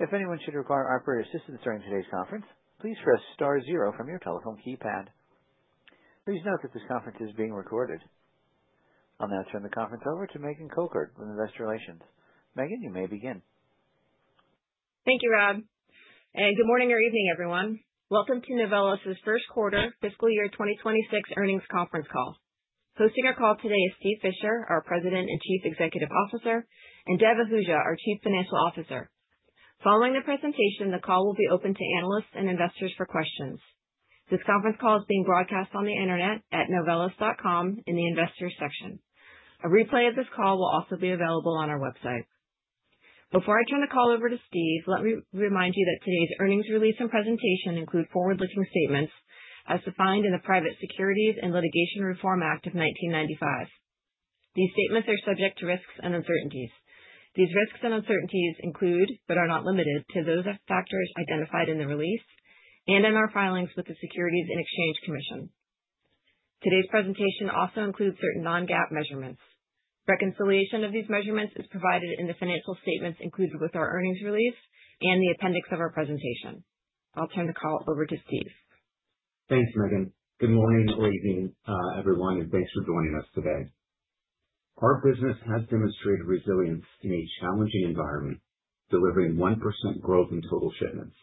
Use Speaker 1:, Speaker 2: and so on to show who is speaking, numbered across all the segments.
Speaker 1: If anyone should require operator assistance during today's conference, please press star zero from your telephone keypad. Please note that this conference is being recorded. I'll now turn the conference over to Megan Cochard, in Investor Relations. Megan, you may begin.
Speaker 2: Thank you, Rob. Good morning or evening, everyone. Welcome to Novelis's first quarter fiscal year 2026 earnings conference call. Hosting our call today is Steve Fisher, our President and Chief Executive Officer, and Dev Ahuja, our Chief Financial Officer. Following the presentation, the call will be open to analysts and investors for questions. This conference call is being broadcast on the internet at novelis.com in the Investors section. A replay of this call will also be available on our website. Before I turn the call over to Steve, let me remind you that today's earnings release and presentation include forward-looking statements as defined in the Private Securities Litigation Reform Act of 1995. These statements are subject to risks and uncertainties. These risks and uncertainties include, but are not limited to, those factors identified in the release and in our filings with the Securities and Exchange Commission. Today's presentation also includes certain Non-GAAP measurements. Reconciliation of these measurements is provided in the financial statements included with our earnings release and the appendix of our presentation. I'll turn the call over to Steve.
Speaker 3: Thanks, Megan. Good morning or evening, everyone, thanks for joining us today. Our business has demonstrated resilience in a challenging environment, delivering 1% growth in total shipments.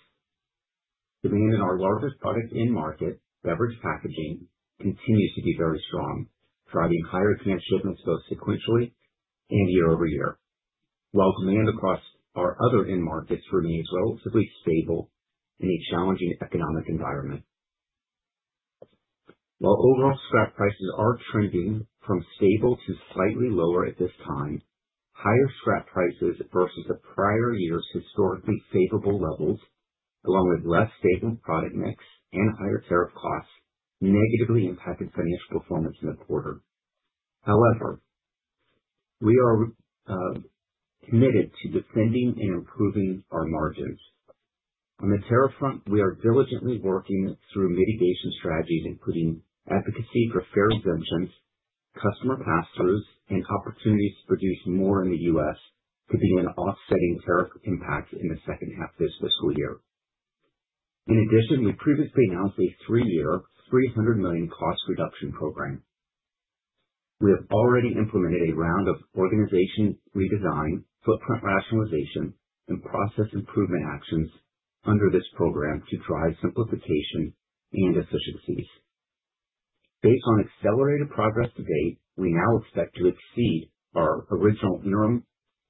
Speaker 3: Demand in our largest product end market, beverage packaging, continues to be very strong, driving higher can shipments both sequentially and year-over-year, while demand across our other end markets remains relatively stable in a challenging economic environment. While overall scrap prices are trending from stable to slightly lower at this time, higher scrap prices versus the prior year's historically favorable levels, along with less favorable product mix and higher tariff costs, negatively impacted financial performance in the quarter. However, we are committed to defending and improving our margins. On the tariff front, we are diligently working through mitigation strategies, including advocacy for tariff exemptions, customer pass-throughs, and opportunities to produce more in the U.S. to begin offsetting tariff impact in the second half of this fiscal year. In addition, we previously announced a three-year, $300 million cost reduction program. We have already implemented a round of organization redesign, footprint rationalization, and process improvement actions under this program to drive simplification and efficiencies. Based on accelerated progress to date, we now expect to exceed our original interim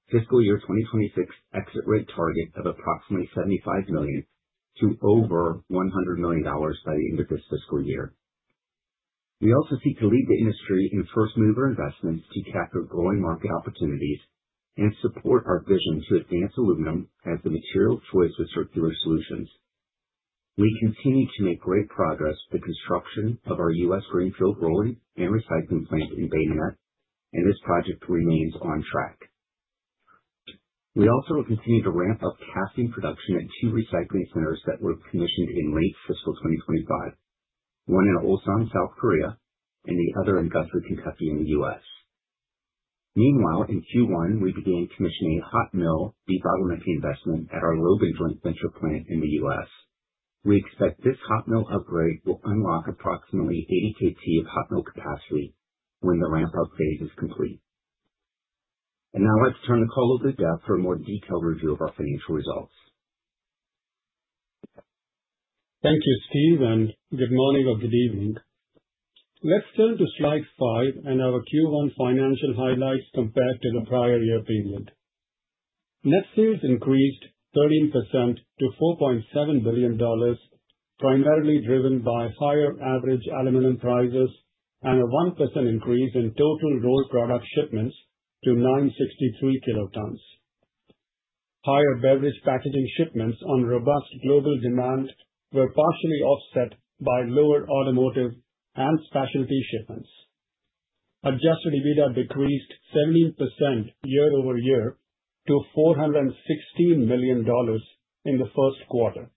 Speaker 3: fiscal year 2026 exit rate target of approximately $75 million to over $100 million by the end of this fiscal year. We also seek to lead the industry in first-mover investments to capture growing market opportunities and support our vision to advance aluminum as the material choice for circular solutions. We continue to make great progress with construction of our U.S. greenfield rolling and recycling plant in Bay Minette, and this project remains on track. We also will continue to ramp up casting production at two recycling centers that were commissioned in late fiscal 2025, one in Ulsan, South Korea, and the other in Guthrie, Kentucky, in the U.S. Meanwhile, in Q1, we began commissioning a hot mill development investment at our Logan joint venture plant in the U.S. We expect this hot mill upgrade will unlock approximately 80 KT of hot mill capacity when the ramp-up phase is complete. Let's turn the call over to Dev for a more detailed review of our financial results.
Speaker 4: Thank you, Steve, and good morning or good evening. Let's turn to slide five and our Q1 financial highlights compared to the prior year period. Net sales increased 13% to $4.7 billion, primarily driven by higher average aluminum prices and a 1% increase in total raw product shipments to 963 kilotons. Higher beverage packaging shipments on robust global demand were partially offset by lower automotive and specialty shipments. Adjusted EBITDA decreased 17% year-over-year to $416 million in the first quarter.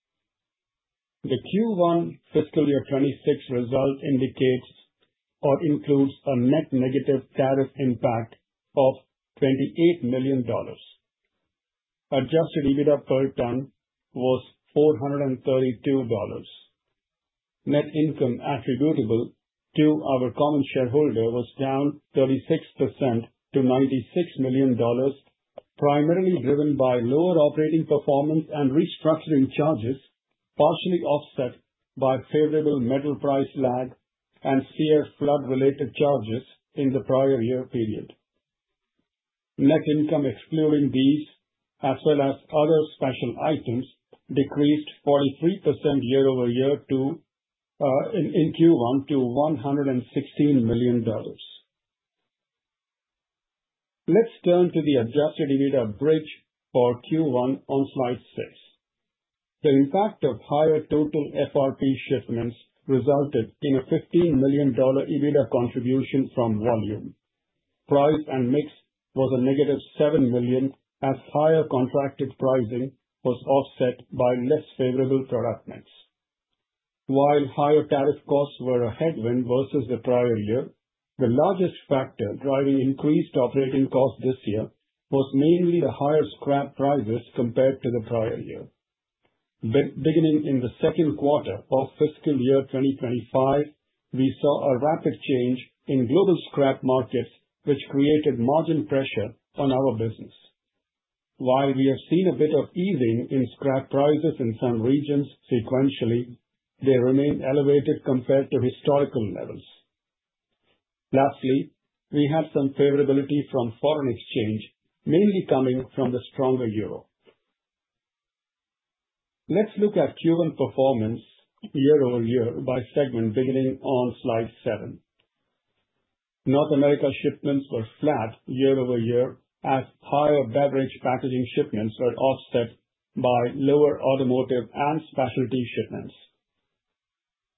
Speaker 4: The Q1 fiscal year 2026 result indicates or includes a net negative tariff impact of $28 million. Adjusted EBITDA per ton was $432. Net income attributable to our common shareholder was down 36% to $96 million, primarily driven by lower operating performance and restructuring charges, partially offset by favorable metal price lag and Sears flood-related charges in the prior year period. Net income excluding these, as well as other special items, decreased 43% year-over-year in Q1 to $116 million. Let's turn to the Adjusted EBITDA bridge for Q1 on slide six. The impact of higher total FRP shipments resulted in a $15 million EBITDA contribution from volume. Price and mix was a negative $7 million, as higher contracted pricing was offset by less favorable product mix. While higher tariff costs were a headwind versus the prior year, the largest factor driving increased operating costs this year was mainly the higher scrap prices compared to the prior year. Beginning in the second quarter of fiscal year 2025, we saw a rapid change in global scrap markets, which created margin pressure on our business. While we have seen a bit of easing in scrap prices in some regions sequentially, they remain elevated compared to historical levels. Lastly, we had some favorability from foreign exchange, mainly coming from the stronger euro. Let's look at Q1 performance year-over-year by segment, beginning on slide seven. North America shipments were flat year-over-year, as higher beverage packaging shipments were offset by lower automotive and specialty shipments.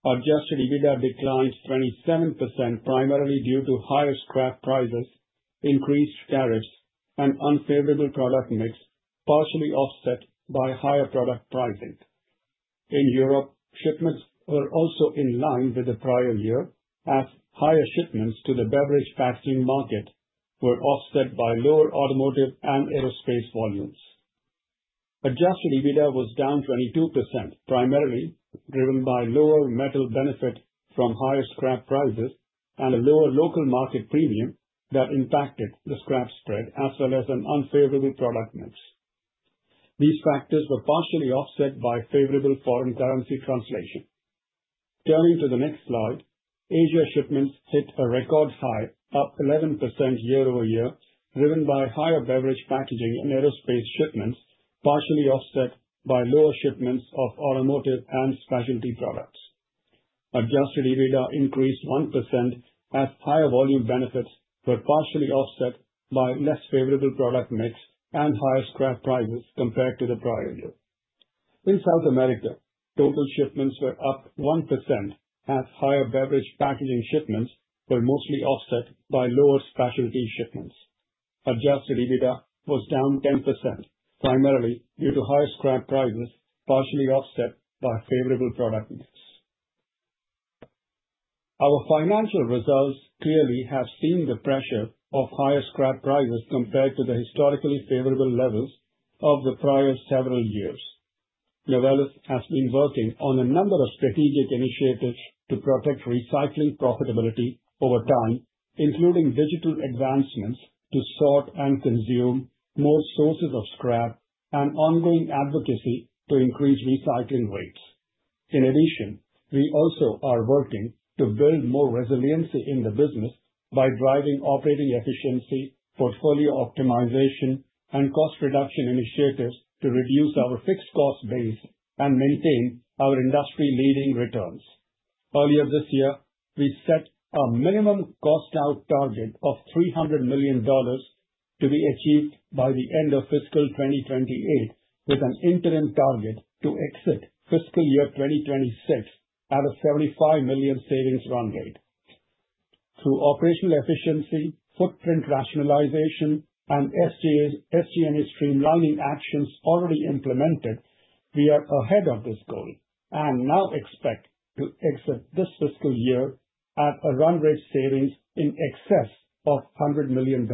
Speaker 4: Adjusted EBITDA declined 27%, primarily due to higher scrap prices, increased tariffs, and unfavorable product mix, partially offset by higher product pricing. In Europe, shipments were also in line with the prior year, as higher shipments to the beverage packaging market were offset by lower automotive and aerospace volumes. Adjusted EBITDA was down 22%, primarily driven by lower metal benefit from higher scrap prices and a lower local market premium that impacted the scrap spread, as well as an unfavorable product mix. These factors were partially offset by favorable foreign currency translation. Turning to the next slide, Asia shipments hit a record high, up 11% year-over-year, driven by higher beverage packaging and aerospace shipments, partially offset by lower shipments of automotive and specialty products. Adjusted EBITDA increased 1%, as higher volume benefits were partially offset by less favorable product mix and higher scrap prices compared to the prior year. In South America, total shipments were up 1%, as higher beverage packaging shipments were mostly offset by lower specialty shipments. Adjusted EBITDA was down 10%, primarily due to higher scrap prices, partially offset by favorable product mix. Our financial results clearly have seen the pressure of higher scrap prices compared to the historically favorable levels of the prior several years. Novelis has been working on a number of strategic initiatives to protect recycling profitability over time, including digital advancements to sort and consume more sources of scrap and ongoing advocacy to increase recycling rates. In addition, we also are working to build more resiliency in the business by driving operating efficiency, portfolio optimization, and cost reduction initiatives to reduce our fixed cost base and maintain our industry-leading returns. Earlier this year, we set a minimum cost-out target of $300 million to be achieved by the end of fiscal 2028, with an interim target to exit fiscal year 2026 at a $75 million savings run rate. Through operational efficiency, footprint rationalization, and SG&A streamlining actions already implemented, we are ahead of this goal and now expect to exit this fiscal year at a run rate savings in excess of $100 million.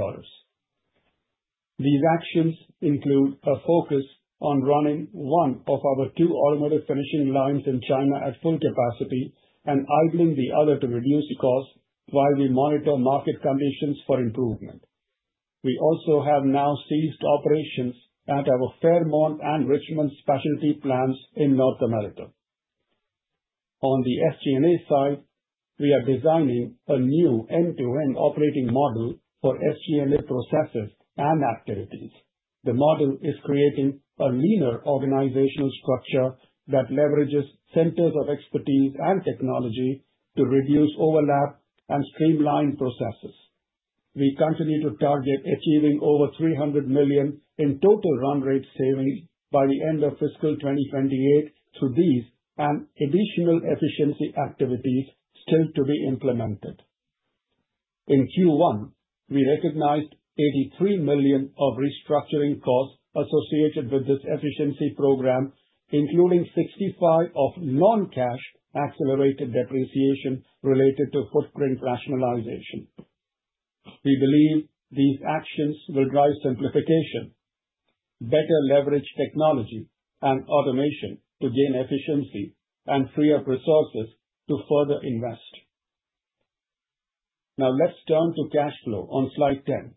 Speaker 4: These actions include a focus on running one of our two automotive finishing lines in China at full capacity and idling the other to reduce costs while we monitor market conditions for improvement. We also have now ceased operations at our Fairmont and Richmond specialty plants in North America. On the SG&A side, we are designing a new end-to-end operating model for SG&A processes and activities. The model is creating a leaner organizational structure that leverages centers of expertise and technology to reduce overlap and streamline processes. We continue to target achieving over $300 million in total run rate savings by the end of fiscal 2028 through these and additional efficiency activities still to be implemented. In Q1, we recognized $83 million of restructuring costs associated with this efficiency program, including $65 million of non-cash accelerated depreciation related to footprint rationalization. We believe these actions will drive simplification, better leverage technology and automation to gain efficiency, and free up resources to further invest. Let's turn to cash flow on slide 10.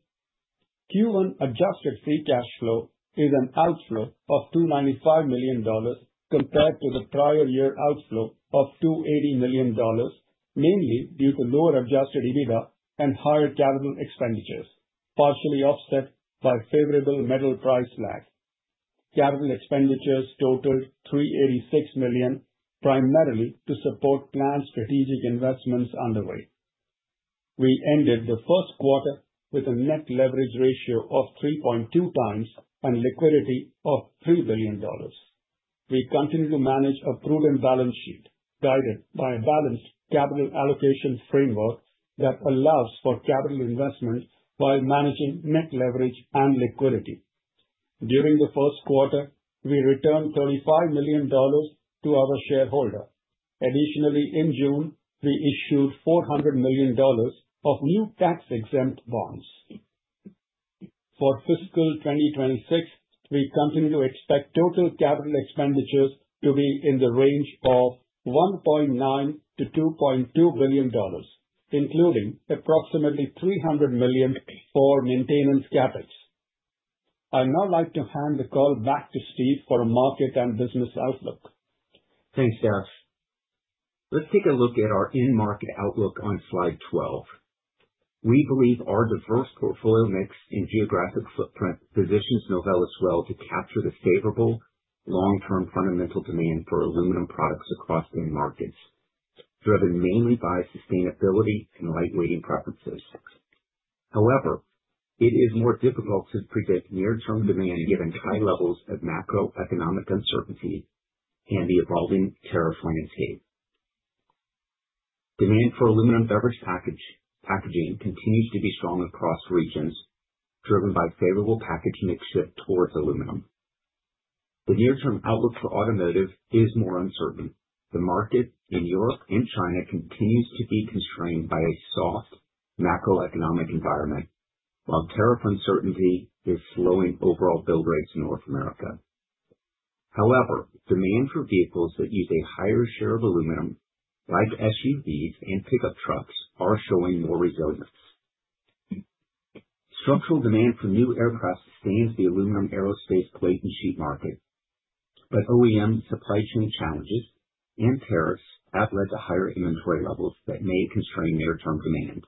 Speaker 4: Q1 Adjusted Free Cash Flow is an outflow of $295 million, compared to the prior year outflow of $280 million, mainly due to lower Adjusted EBITDA and higher capital expenditures, partially offset by favorable metal price lag. Capital expenditures totaled $386 million, primarily to support planned strategic investments underway. We ended the first quarter with a net leverage ratio of 3.2x and liquidity of $3 billion. We continue to manage a prudent balance sheet, guided by a balanced capital allocation framework that allows for capital investment while managing net leverage and liquidity.... During the first quarter, we returned $35 million to our shareholder. Additionally, in June, we issued $400 million of new tax-exempt bonds. For fiscal 2026, we continue to expect total capital expenditures to be in the range of $1.9 billion-$2.2 billion, including approximately $300 million for maintenance CapEx. I'd now like to hand the call back to Steve for a market and business outlook.
Speaker 3: Thanks, Dev. Let's take a look at our end market outlook on Slide 12. We believe our diverse portfolio mix and geographic footprint positions Novelis well to capture the favorable long-term fundamental demand for aluminum products across end markets, driven mainly by sustainability and lightweighting preferences. It is more difficult to predict near-term demand, given high levels of macroeconomic uncertainty and the evolving tariff landscape. Demand for aluminum beverage packaging continues to be strong across regions, driven by favorable package mix shift towards aluminum. The near-term outlook for automotive is more uncertain. The market in Europe and China continues to be constrained by a soft macroeconomic environment, while tariff uncertainty is slowing overall build rates in North America. Demand for vehicles that use a higher share of aluminum, like SUVs and pickup trucks, are showing more resilience. Structural demand for new aircraft sustains the aluminum aerospace plate and sheet market, but OEM supply chain challenges and tariffs have led to higher inventory levels that may constrain near-term demand.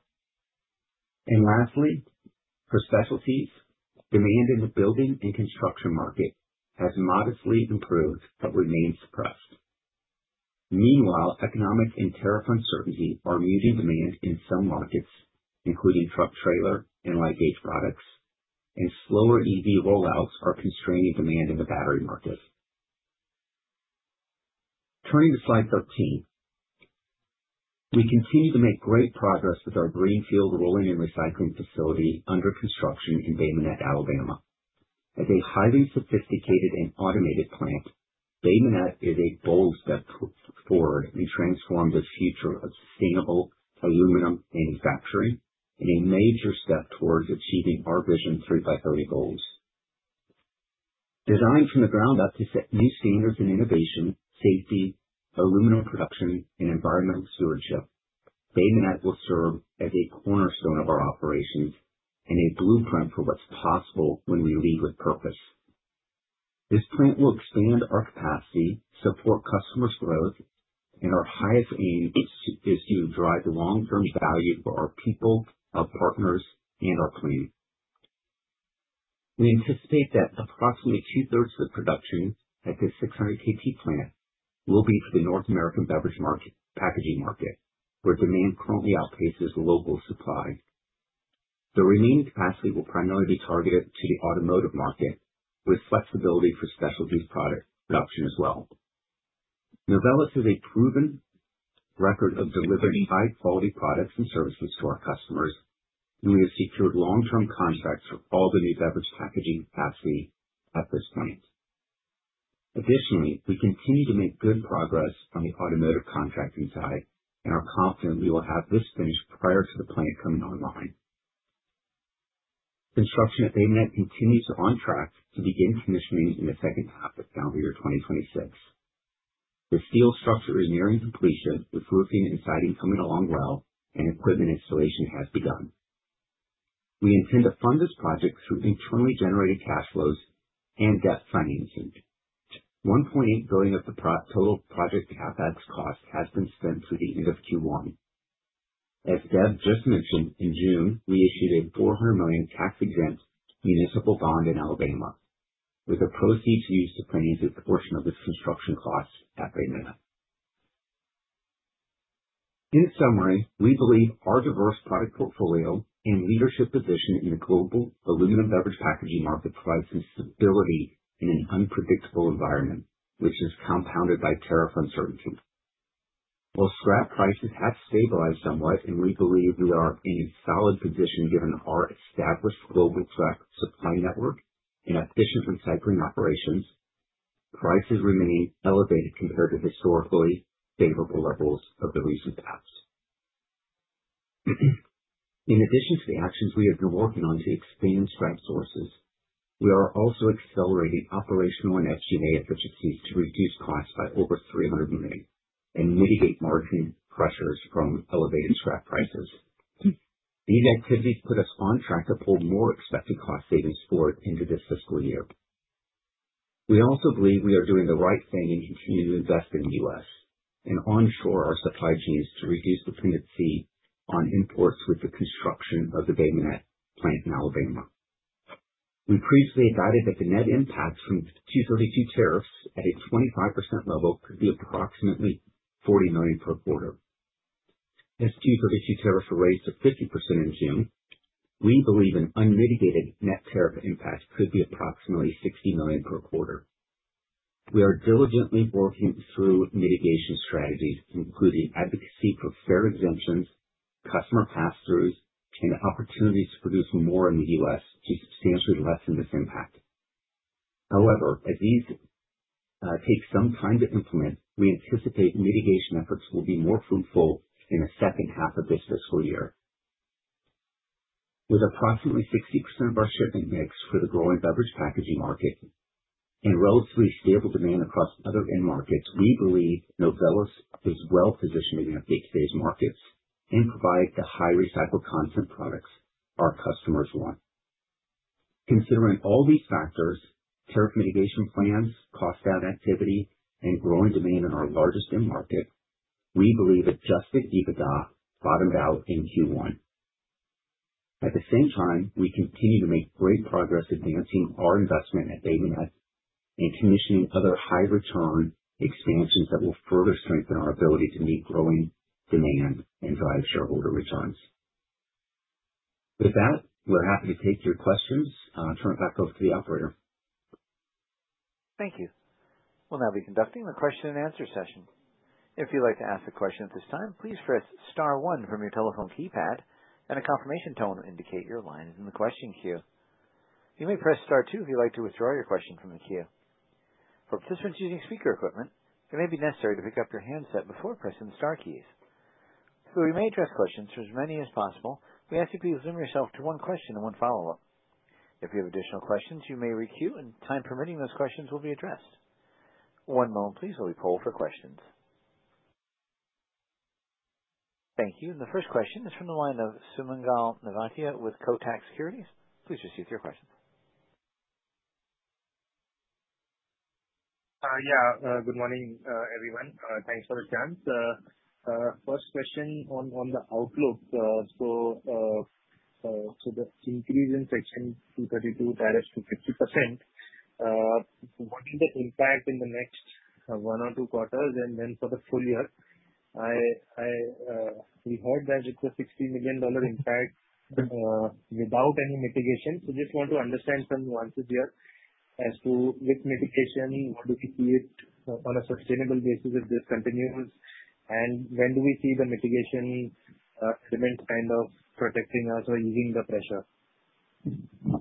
Speaker 3: Lastly, for specialties, demand in the building and construction market has modestly improved but remains suppressed. Meanwhile, economic and tariff uncertainty are reducing demand in some markets, including truck trailer and light gauge products, and slower EV rollouts are constraining demand in the battery market. Turning to Slide 13. We continue to make great progress with our greenfield rolling and recycling facility under construction in Bay Minette, Alabama. As a highly sophisticated and automated plant, Bay Minette is a bold step forward in transforming the future of sustainable aluminum manufacturing and a major step towards achieving our vision 3x30 goals. Designed from the ground up to set new standards in innovation, safety, aluminum production, and environmental stewardship, Bay Minette will serve as a cornerstone of our operations and a blueprint for what's possible when we lead with purpose. This plant will expand our capacity, support customers' growth, and our highest aim is to drive long-term value for our people, our partners, and our planet. We anticipate that approximately two-thirds of production at this 600 KT plant will be for the North American beverage packaging market, where demand currently outpaces local supply. The remaining capacity will primarily be targeted to the automotive market, with flexibility for specialties product production as well. Novelis has a proven record of delivering high-quality products and services to our customers, and we have secured long-term contracts for all the new beverage packaging capacity at this plant. Additionally, we continue to make good progress on the automotive contracting side and are confident we will have this finished prior to the plant coming online. Construction at Bay Minette continues on track to begin commissioning in the second half of calendar year 2026. The steel structure is nearing completion, with roofing and siding coming along well and equipment installation has begun. We intend to fund this project through internally generated cash flows and debt financing. $1.8 billion of the total project CapEx cost has been spent through the end of Q1. As Dev just mentioned, in June, we issued a $400 million tax-exempt municipal bond in Alabama, with the proceeds used to finance a portion of the construction costs at Bay Minette. In summary, we believe our diverse product portfolio and leadership position in the global aluminum beverage packaging market provides some stability in an unpredictable environment, which is compounded by tariff uncertainty. While scrap prices have stabilized somewhat, and we believe we are in a solid position, given our established global scrap supply network and efficient recycling operations, prices remain elevated compared to historically favorable levels of the recent past. In addition to the actions we have been working on to expand scrap sources, we are also accelerating operational and SG&A efficiency to reduce costs by over $300 million and mitigate margin pressures from elevated scrap prices. These activities put us on track to pull more expected cost savings forward into this fiscal year. We also believe we are doing the right thing in continuing to invest in the U.S. and onshore our supply chains to reduce dependency on imports with the construction of the Bay Minette plant in Alabama. We previously guided that the net impact from Section 232 tariffs at a 25% level could be approximately $40 million per quarter. As Q4 tariffs were raised to 50% in June, we believe an unmitigated net tariff impact could be approximately $60 million per quarter. We are diligently working through mitigation strategies, including advocacy for fair exemptions, customer pass-throughs, and opportunities to produce more in the U.S. to substantially lessen this impact. As these take some time to implement, we anticipate mitigation efforts will be more fruitful in the second half of this fiscal year. With approximately 60% of our shipping mix for the growing beverage packaging market and relatively stable demand across other end markets, we believe Novelis is well positioned in today's markets and provide the high recycled content products our customers want. Considering all these factors, tariff mitigation plans, cost out activity, and growing demand in our largest end market, we believe Adjusted EBITDA bottomed out in Q1. At the same time, we continue to make great progress advancing our investment at Bay Minette and commissioning other high return expansions that will further strengthen our ability to meet growing demand and drive shareholder returns. With that, we're happy to take your questions. Turn it back over to the operator.
Speaker 1: Thank you. We'll now be conducting the question and answer session. If you'd like to ask a question at this time, please press star one from your telephone keypad, and a confirmation tone will indicate your line is in the question queue. You may press star two if you'd like to withdraw your question from the queue. For participants using speaker equipment, it may be necessary to pick up your handset before pressing the star keys. We may address questions to as many as possible, we ask you to please limit yourself to one question and one follow-up. If you have additional questions, you may re-queue, and time permitting, those questions will be addressed. One moment, please, while we poll for questions. Thank you. The first question is from the line of Sumangal Nevatia with Kotak Securities. Please proceed with your question.
Speaker 5: Good morning, everyone. Thanks for the chance. First question on the outlook. The increase in Section 232 tariffs to 50%, what is the impact in the next one or two quarters and then for the full year? We heard that it's a $60 million impact without any mitigation. Just want to understand some nuances here as to with mitigation, how do we see it on a sustainable basis if this continues, and when do we see the mitigation remains kind of protecting us or easing the pressure?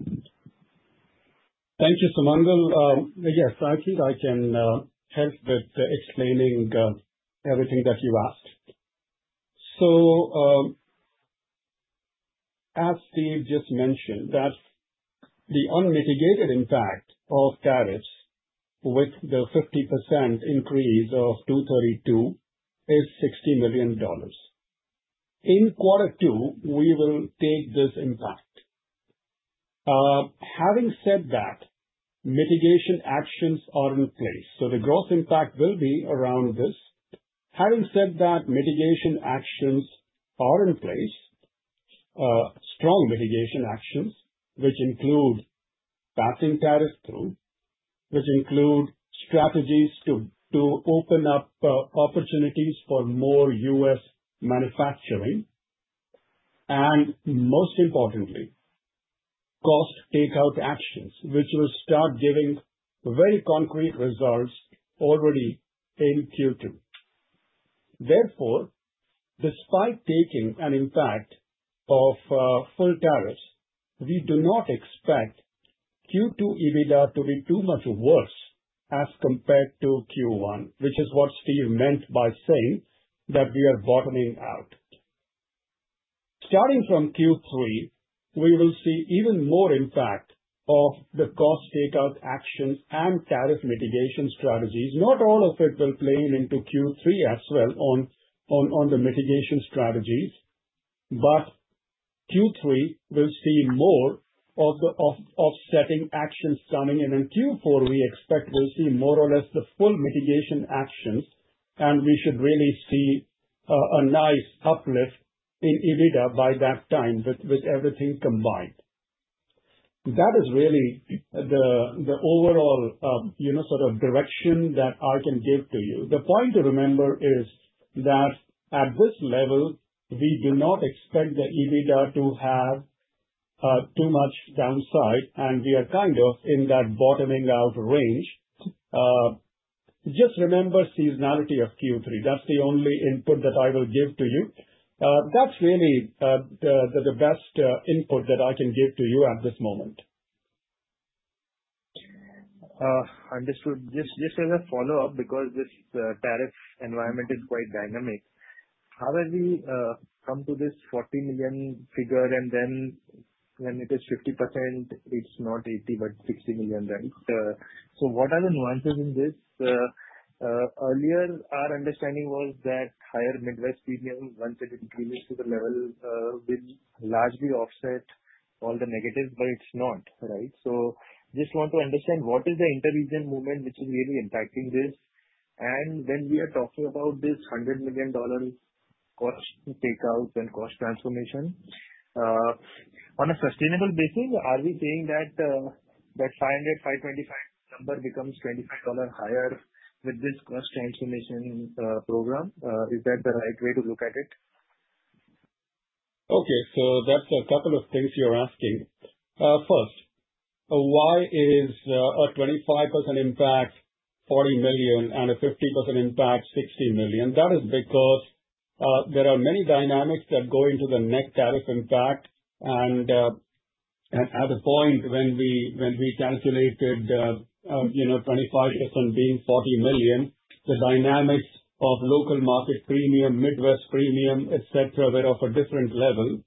Speaker 4: Thank you, Sumangal. Yes, I think I can help with explaining everything that you asked. As Steve just mentioned, that the unmitigated impact of tariffs with the 50% increase of Section 232 is $60 million. In Q2, we will take this impact. Having said that, mitigation actions are in place, so the gross impact will be around this. Having said that, mitigation actions are in place, strong mitigation actions, which include passing tariffs through, which include strategies to open up opportunities for more U.S. manufacturing, and most importantly, cost takeout actions, which will start giving very concrete results already in Q2. Therefore, despite taking an impact of full tariffs, we do not expect Q2 EBITDA to be too much worse as compared to Q1, which is what Steve meant by saying that we are bottoming out. Starting from Q3, we will see even more impact of the cost takeout actions and tariff mitigation strategies. Not all of it will play into Q3 as well on the mitigation strategies, but Q3 will see more of the offsetting actions coming. In Q4, we expect we'll see more or less the full mitigation actions, and we should really see a nice uplift in EBITDA by that time with everything combined. That is really the overall, you know, sort of direction that I can give to you. The point to remember is that at this level, we do not expect the EBITDA to have too much downside, and we are kind of in that bottoming out range. Just remember seasonality of Q3. That's the only input that I will give to you. That's really the best input that I can give to you at this moment.
Speaker 5: Understood. Just as a follow-up, because this tariff environment is quite dynamic, how have you come to this $40 million figure, and then when it is 50%, it's not $80 million but $60 million then? What are the nuances in this? Earlier, our understanding was that higher Midwest premium, once it increases to the level, which largely offset all the negatives, but it's not, right? Just want to understand, what is the interregional movement which is really impacting this? When we are talking about this $100 million cost takeout and cost transformation on a sustainable basis, are we saying that 500, 525 number becomes $25 higher with this cost transformation program? Is that the right way to look at it?
Speaker 4: Okay, that's a couple of things you're asking. First, why is a 25% impact $40 million and a 50% impact $60 million? That is because there are many dynamics that go into the net tariff impact. At a point when we calculated, you know, 25% being $40 million, the dynamics of local market premium, Midwest premium, et cetera, were of a different level.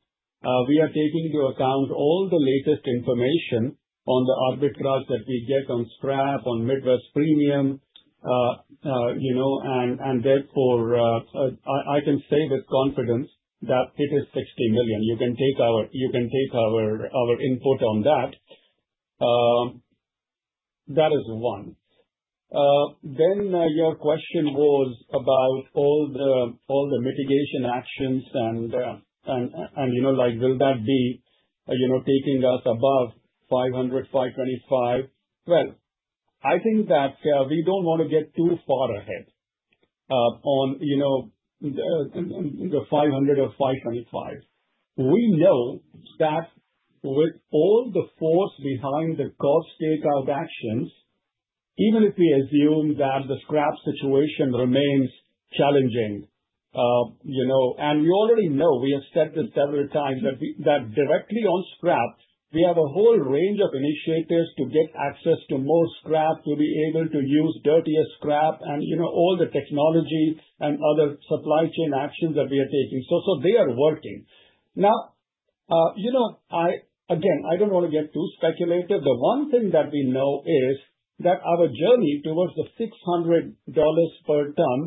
Speaker 4: We are taking into account all the latest information on the arbitrage that we get on scrap, on Midwest premium, you know, and therefore, I can say with confidence that it is $60 million. You can take our input on that. That is one. Your question was about all the mitigation actions and, you know, like, will that be, you know, taking us above 500, 525? I think that we don't want to get too far ahead on, you know, the 500 or 525. We know that with all the force behind the cost takeout actions, even if we assume that the scrap situation remains challenging, you know, and we already know, we have said this several times, that directly on scrap, we have a whole range of initiators to get access to more scrap, to be able to use dirtier scrap and, you know, all the technology and other supply chain actions that we are taking. They are working. You know, again, I don't want to get too speculative. The one thing that we know is that our journey towards the $600 per ton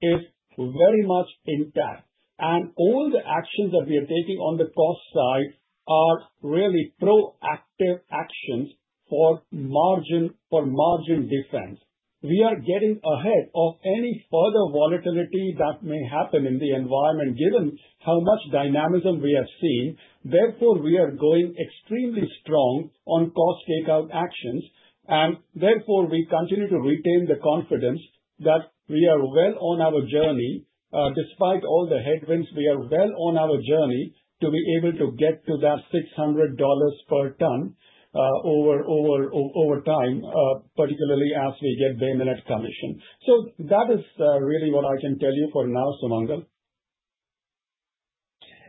Speaker 4: is very much intact, and all the actions that we are taking on the cost side are really proactive actions for margin defense. We are getting ahead of any further volatility that may happen in the environment, given how much dynamism we have seen, therefore, we are going extremely strong on cost takeout actions. Therefore, we continue to retain the confidence that we are well on our journey. Despite all the headwinds, we are well on our journey to be able to get to that $600 per ton over time, particularly as we get BMNT commission. That is really what I can tell you for now, Sumangal.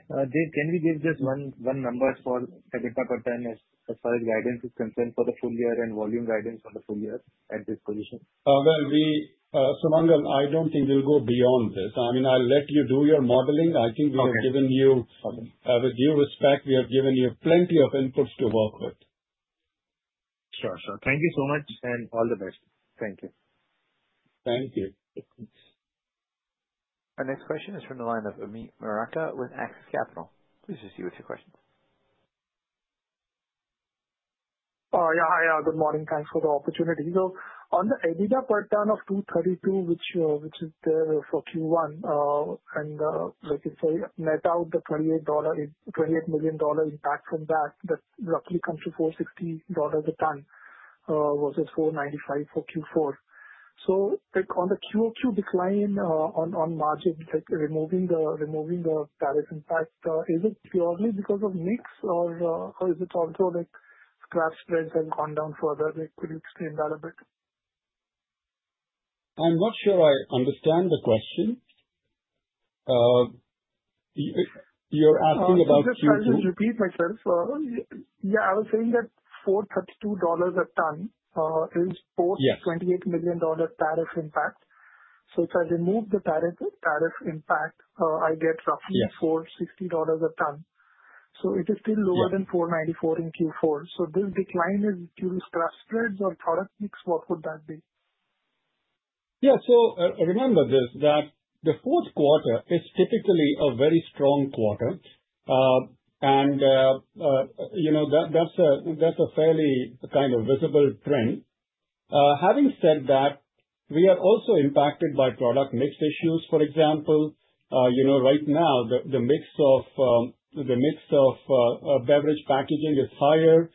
Speaker 5: Dave, can we give just one number for EBITDA per ton, as far as guidance is concerned, for the full year and volume guidance for the full year at this position?
Speaker 4: Well, we, Sumangal, I don't think we'll go beyond this. I mean, I'll let you do your modeling.
Speaker 5: Okay.
Speaker 4: I think we have given you. With due respect, we have given you plenty of inputs to work with.
Speaker 5: Sure. Sure. Thank you so much, and all the best. Thank you.
Speaker 4: Thank you.
Speaker 1: Our next question is from the line of Amit Murarka with Axis Capital. Please proceed with your question.
Speaker 6: Yeah. Hi, good morning. Thanks for the opportunity. On the EBITDA per ton of $232, which is there for Q1, and, like you say, net out the $28 million impact from that roughly comes to $460 a ton versus $495 for Q4. Like, on the QOQ decline on margin, like, removing the tariff impact, is it purely because of mix or is it also, like, scrap spreads have gone down further? Like, could you explain that a bit?
Speaker 4: I'm not sure I understand the question. If you're asking about Q2-
Speaker 6: I'll just repeat myself. Yeah, I was saying that $432 a ton.
Speaker 4: Yes.
Speaker 6: is post $28 million tariff impact. If I remove the tariff impact, I get roughly...
Speaker 4: Yes.
Speaker 6: $460 a ton. It is still.
Speaker 4: Yes.
Speaker 6: lower than $494 in Q4. This decline in scrap spreads or product mix, what would that be?
Speaker 4: Yeah. Remember this, that the fourth quarter is typically a very strong quarter. You know, that's a fairly kind of visible trend. Having said that, we are also impacted by product mix issues. For example, you know, right now, the mix of beverage packaging is higher.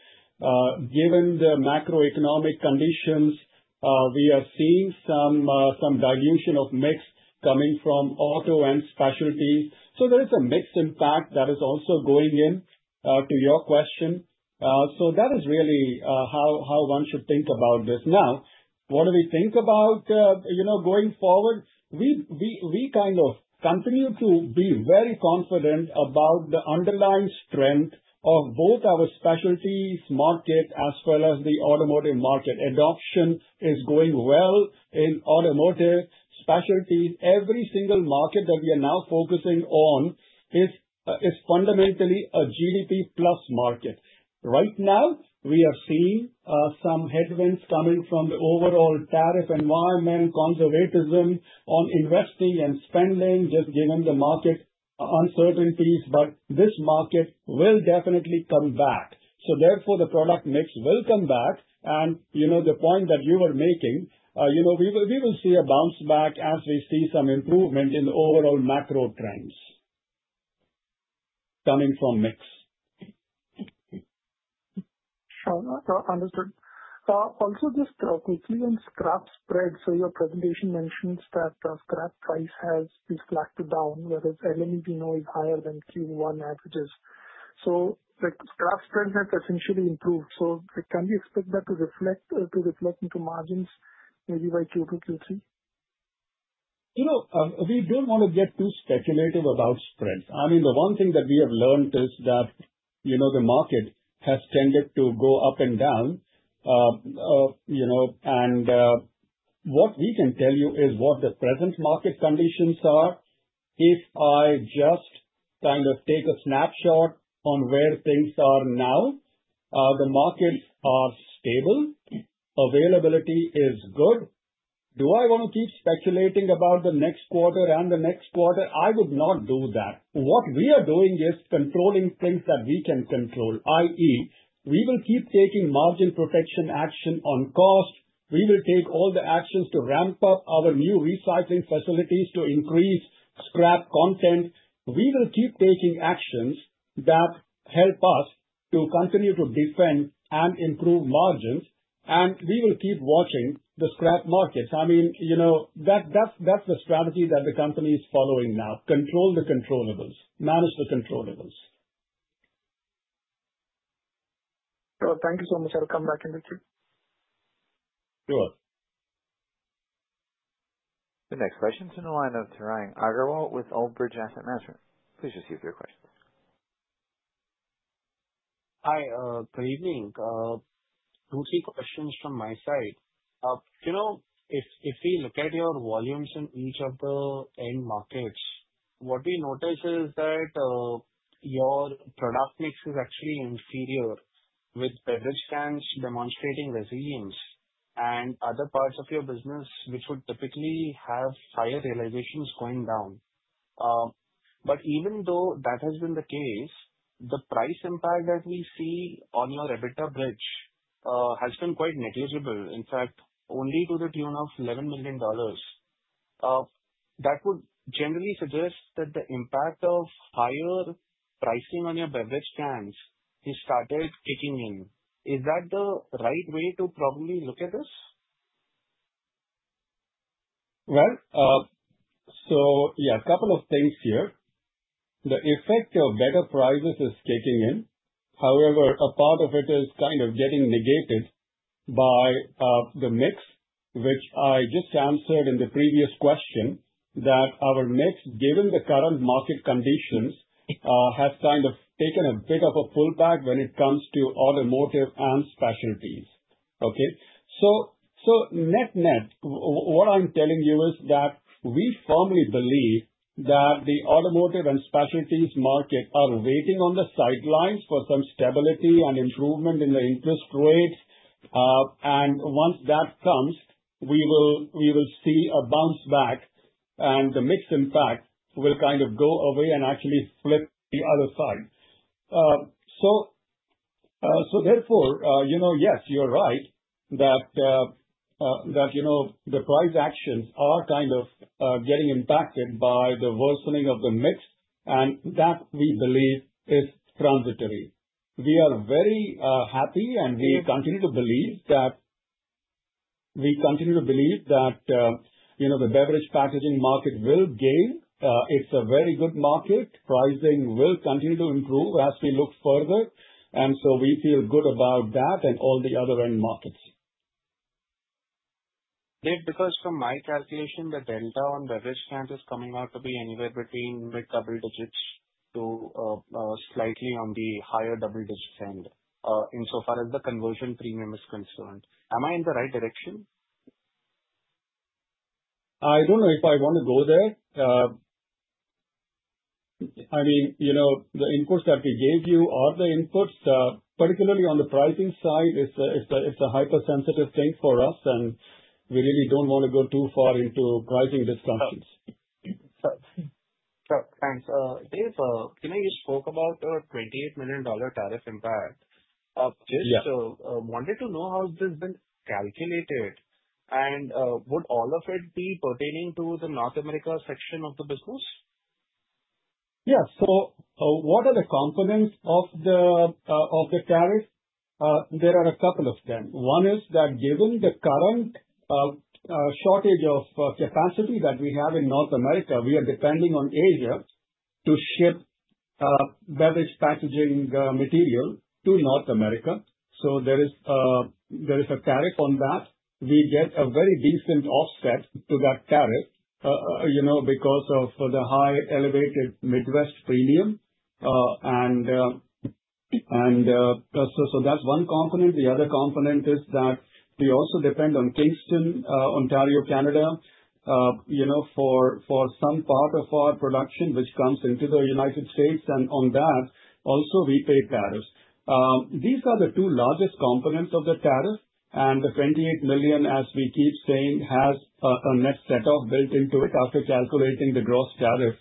Speaker 4: Given the macroeconomic conditions, we are seeing some dilution of mix coming from auto and specialty. There is a mix impact that is also going in to your question. That is really how one should think about this. Now, what do we think about, you know, going forward? We kind of continue to be very confident about the underlying strength of both our specialties market as well as the automotive market. Adoption is going well in automotive specialties. Every single market that we are now focusing on is fundamentally a GDP plus market. Right now, we are seeing some headwinds coming from the overall tariff environment, conservatism on investing and spending, just given the market uncertainties, but this market will definitely come back. The product mix will come back. You know, the point that you were making, you know, we will see a bounce back as we see some improvement in the overall macro trends coming from mix.
Speaker 6: Understood. Also just quickly on scrap spread, your presentation mentions that the scrap price has slacked down, whereas LME ingot is higher than Q1 averages. The scrap spread has essentially improved, can we expect that to reflect into margins maybe by Q2, Q3?
Speaker 4: You know, we don't want to get too speculative about spreads. I mean, the one thing that we have learned is that, you know, the market has tended to go up and down. You know, what we can tell you is what the present market conditions are. If I just kind of take a snapshot on where things are now, the markets are stable, availability is good. Do I want to keep speculating about the next quarter and the next quarter? I would not do that. What we are doing is controlling things that we can control, i.e., we will keep taking margin protection action on cost. We will take all the actions to ramp up our new recycling facilities to increase scrap content. We will keep taking actions that help us to continue to defend and improve margins, and we will keep watching the scrap markets. I mean, you know, that's the strategy that the company is following now: control the controllables, manage the controllables.
Speaker 6: Well, thank you so much. I will come back in the queue.
Speaker 4: Sure.
Speaker 1: The next question is in the line of Tarang Agarwal with Old Bridge Asset Management. Please just give your question.
Speaker 7: Hi, good evening. Two, three questions from my side. You know, if we look at your volumes in each of the end markets, what we notice is that your product mix is actually inferior, with beverage cans demonstrating resilience and other parts of your business, which would typically have higher realizations going down. Even though that has been the case, the price impact that we see on your EBITDA bridge has been quite negligible. In fact, only to the tune of $11 million. That would generally suggest that the impact of higher pricing on your beverage cans has started kicking in. Is that the right way to probably look at this?
Speaker 4: Well, yeah, a couple of things here. The effect of better prices is kicking in. However, a part of it is kind of getting negated by the mix, which I just answered in the previous question, that our mix, given the current market conditions, has kind of taken a bit of a pullback when it comes to automotive and specialties. Okay? Net, net, what I'm telling you is that we firmly believe that the automotive and specialties market are waiting on the sidelines for some stability and improvement in the interest rates. Once that comes, we will see a bounce back, and the mix impact will kind of go away and actually flip the other side. Therefore, you know, yes, you're right, that, you know, the price actions are kind of getting impacted by the worsening of the mix, and that, we believe, is transitory. We are very happy, and we continue to believe that. We continue to believe that, you know, the beverage packaging market will gain. It's a very good market. Pricing will continue to improve as we look further, and so we feel good about that and all the other end markets.
Speaker 7: Dev, because from my calculation, the delta on beverage cans is coming out to be anywhere between mid-double digits to slightly on the higher double digits end, insofar as the conversion premium is concerned. Am I in the right direction?
Speaker 4: I don't know if I want to go there. I mean, you know, the inputs that we gave you are the inputs. Particularly on the pricing side, it's a hypersensitive thing for us. We really don't want to go too far into pricing discussions.
Speaker 7: Sure. Sure. Thanks. Dave, you know, you spoke about a $28 million tariff impact.
Speaker 4: Yeah.
Speaker 7: just wanted to know, how this has been calculated, and would all of it be pertaining to the North America section of the business?
Speaker 4: What are the components of the tariff? There are a couple of them. One is that given the current shortage of capacity that we have in North America, we are depending on Asia to ship beverage packaging material to North America. There is a tariff on that. We get a very decent offset to that tariff, you know, because of the high elevated Midwest premium. That's one component. The other component is that we also depend on Kingston, Ontario, Canada, you know, for some part of our production, which comes into the United States, and on that also we pay tariffs. These are the two largest components of the tariff, and the $28 million, as we keep saying, has a net set off built into it after calculating the gross tariff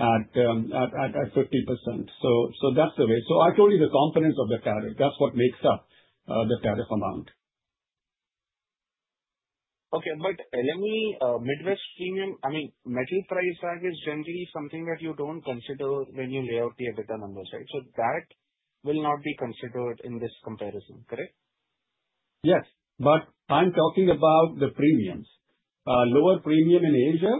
Speaker 4: at 50%. That's the way. I told you the components of the tariff, that's what makes up the tariff amount.
Speaker 7: Okay, let me, Midwest premium, I mean, metal price lag is generally something that you don't consider when you lay out the Adjusted EBITDA numbers, right? That will not be considered in this comparison, correct?
Speaker 4: I'm talking about the premiums. Lower premium in Asia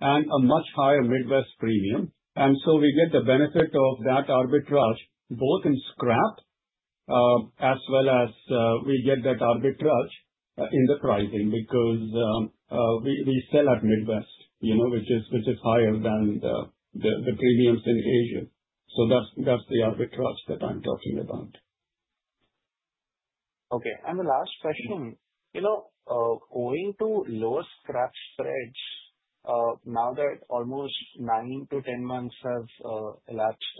Speaker 4: and a much higher Midwest premium. We get the benefit of that arbitrage both in scrap as well as we get that arbitrage in the pricing because we sell at Midwest, you know, which is higher than the premiums in Asia. That's the arbitrage that I'm talking about.
Speaker 7: Okay. The last question: You know, going to lower scrap spreads, now that almost 9 months-10 months has elapsed,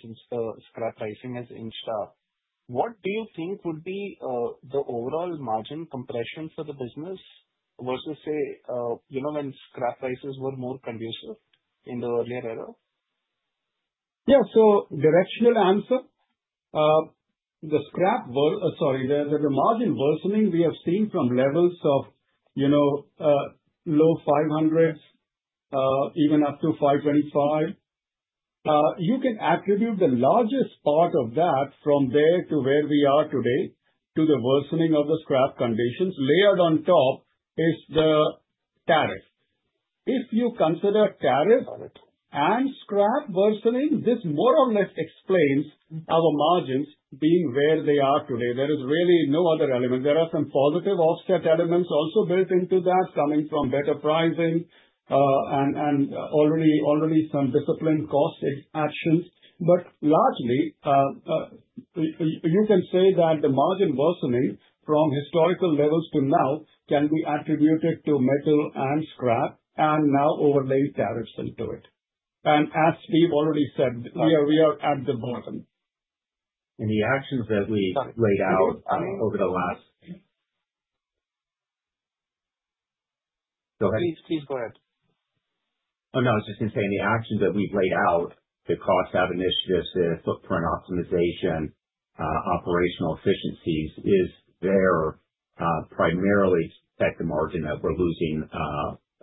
Speaker 7: since the scrap pricing has in start, what do you think would be the overall margin compression for the business versus, say, you know, when scrap prices were more conducive in the earlier era?
Speaker 4: Yeah. Directional answer, Sorry, the margin worsening we have seen from levels of low $500s, even up to $525. You can attribute the largest part of that from there to where we are today, to the worsening of the scrap conditions. Layered on top is the tariff. If you consider tariff.
Speaker 7: Got it.
Speaker 4: Scrap worsening, this more or less explains our margins being where they are today. There is really no other element. There are some positive offset elements also built into that, coming from better pricing, and already some disciplined cost actions. Largely, you can say that the margin worsening from historical levels to now can be attributed to metal and scrap and now overlay tariffs into it. As Steve already said, we are at the bottom.
Speaker 3: The actions that we laid out over the last. Go ahead.
Speaker 7: Please go ahead.
Speaker 3: Oh, no, I was just going to say, the actions that we've laid out, the cost out initiatives, the footprint optimization, operational efficiencies, is there, primarily at the margin that we're losing,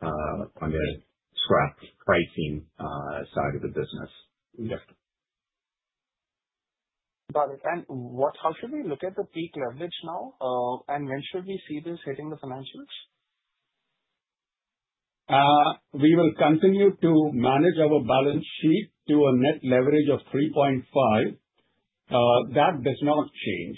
Speaker 3: on the scrap pricing, side of the business.
Speaker 4: Yes.
Speaker 7: Got it. How should we look at the peak leverage now, and when should we see this hitting the financials?
Speaker 4: We will continue to manage our balance sheet to a net leverage of 3.5x. That does not change.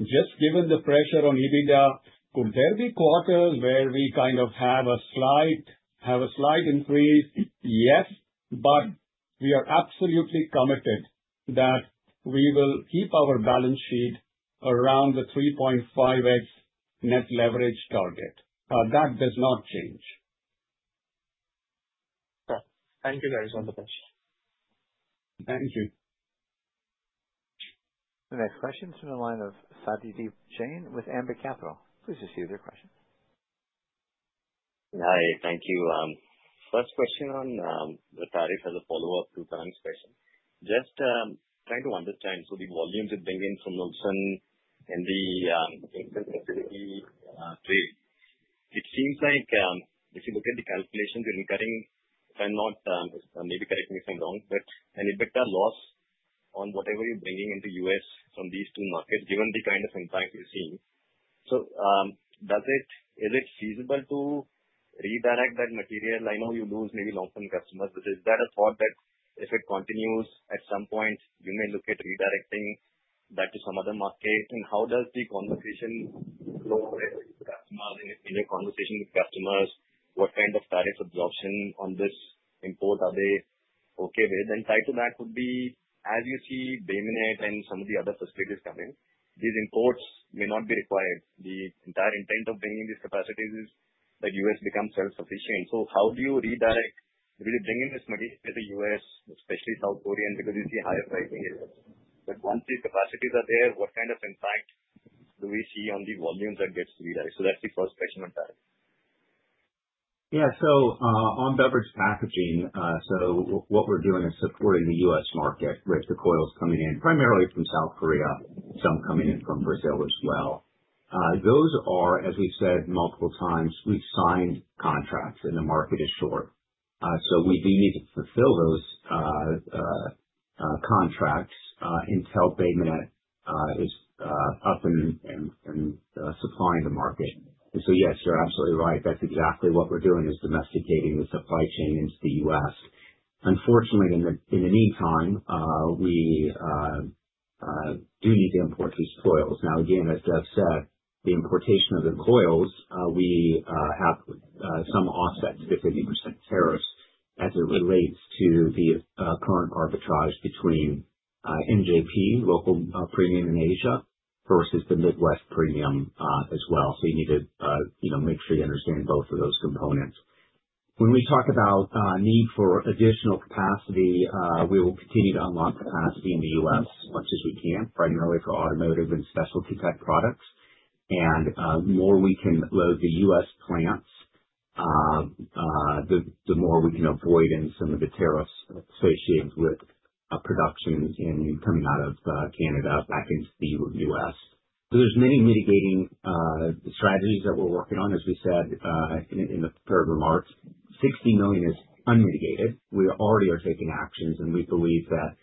Speaker 4: Just given the pressure on EBITDA, could there be quarters where we kind of have a slight increase? Yes, we are absolutely committed that we will keep our balance sheet around the 3.5x net leverage target. That does not change.
Speaker 7: Yeah. Thank you, guys, wonderful.
Speaker 4: Thank you.
Speaker 1: The next question is from the line of Satyadeep Jain with Ambit Capital. Please just your question.
Speaker 8: Hi, thank you. First question on the tariff as a follow-up to Pan's question. Just trying to understand, the volumes are bringing from Ulsan and the trade, it seems like, if you look at the calculations, you're incurring, if I'm not, maybe correct me if I'm wrong, but an EBITDA loss on whatever you're bringing into U.S. from these two markets, given the kind of impact we're seeing. Is it feasible to redirect that material? I know you lose maybe long-term customers, but is that a thought that if it continues, at some point you may look at redirecting that to some other market? How does the conversation flow with customers? In your conversation with customers, what kind of tariff absorption on this import are they okay with? Tied to that would be, as you see Bay Minette and some of the other facilities coming, these imports may not be required. The entire intent of bringing these capacities is that U.S. becomes self-sufficient. How do you redirect really bringing this material to the U.S., especially South Korean, because it's a higher price? Once these capacities are there, what kind of impact do we see on the volumes that gets redirected? That's the first question on tariff.
Speaker 3: On beverage packaging, what we're doing is supporting the U.S. market, right? The coil's coming in primarily from South Korea, some coming in from Brazil as well. Those are, as we've said multiple times, we've signed contracts and the market is short. We do need to fulfill those contracts until Bay Minette is up and supplying the market. Yes, you're absolutely right. That's exactly what we're doing, is domesticating the supply chain into the U.S. Unfortunately, in the meantime, we do need to import these coils. Again, as Dev said, the importation of the coils, we have some offset to the 50% tariffs as it relates to the current arbitrage between NJP, local premium in Asia, versus the Midwest premium as well. You need to, you know, make sure you understand both of those components. When we talk about need for additional capacity, we will continue to unlock capacity in the U.S. as much as we can, primarily for automotive and specialty pack products. The more we can load the U.S. plants the more we can avoid in some of the tariffs associated with production in, coming out of Canada back into the U.S. There's many mitigating strategies that we're working on. As we said, in the prepared remarks, $60 million is unmitigated. We already are taking actions, and we believe that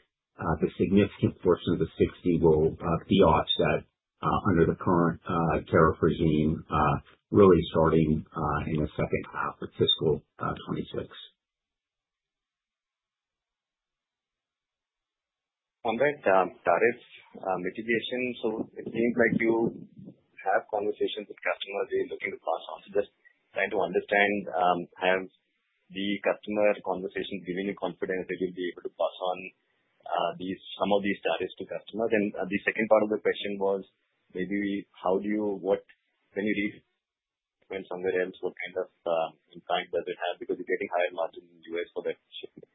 Speaker 3: the significant portion of the $60 million will be offset under the current tariff regime, really starting in the second half of fiscal 2026.
Speaker 8: On that, tariffs, mitigation, it seems like you have conversations with customers, they're looking to pass on. Just trying to understand, have the customer conversations given you confidence that you'll be able to pass on, these, some of these tariffs to customers? The second part of the question was maybe what can you do when somewhere else, what kind of, impact does it have? Because you're getting higher margins in the U.S. for that shipment.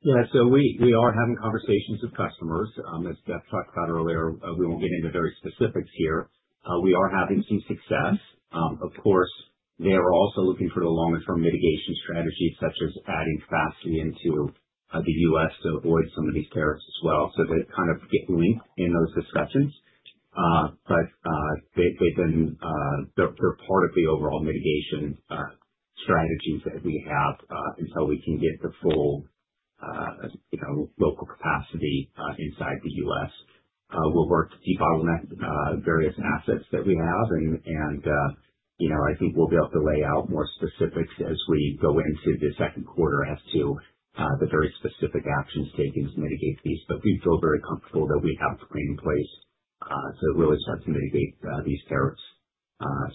Speaker 3: Yeah. We are having conversations with customers, as Satish Pai talked about earlier, we won't get into very specifics here. We are having some success. Of course, they are also looking for the longer term mitigation strategy, such as adding capacity into the US to avoid some of these tariffs as well. They kind of get linked in those discussions. They've been, they're part of the overall mitigation strategies that we have until we can get the full, you know, local capacity inside the US. We'll work to debottleneck various assets that we have. You know, I think we'll be able to lay out more specifics as we go into the second quarter as to the very specific actions taken to mitigate these. We feel very comfortable that we have the plan in place to really start to mitigate these tariffs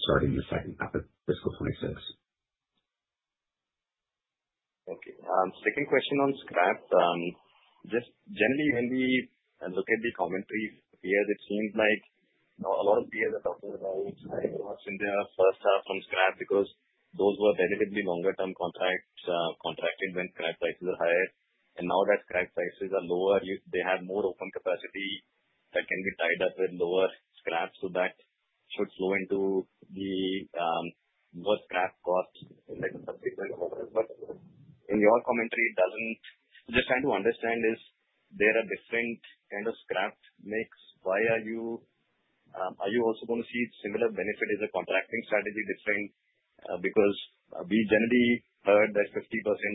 Speaker 3: starting in the second half of fiscal 2026.
Speaker 8: Okay. Second question on scrap. Just generally, when we look at the commentary, it seems like a lot of the other in their first half from scrap because those were relatively longer term contracts, contracted when scrap prices are higher. Now that scrap prices are lower, if they had more open capacity, that can be tied up with lower scrap, so that should flow into the low scrap cost in like the particular quarter. In your commentary, I'm just trying to understand, is there a different kind of scrap mix? Are you also going to see similar benefit as a contracting strategy different? We generally heard that 50%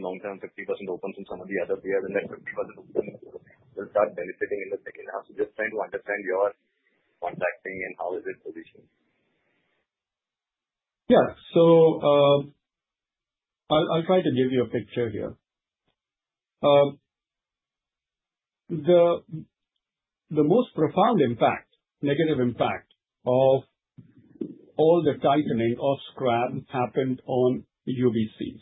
Speaker 8: long-term, 50% opens in some of the other, we have the network, we'll start benefiting in the second half. Just trying to understand your contracting and how is it positioned?
Speaker 4: Yeah. I'll try to give you a picture here. The most profound impact, negative impact of all the tightening of scrap happened on UBCs.